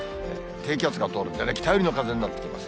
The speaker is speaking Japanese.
低気圧が通るんでね、北寄りの風になってきます。